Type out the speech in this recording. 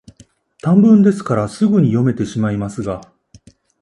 短文ですから、すぐに読めてしまいますが、